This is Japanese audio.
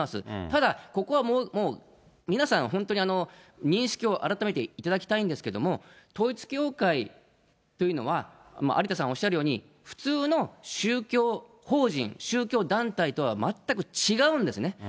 ただ、ここはもう、皆さん本当に認識を改めていただきたいんですけれども、統一教会というのは、有田さんおっしゃるように、普通の宗教法人、宗教団体とは全く違うんですね。